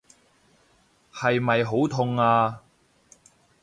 係咪好痛啊？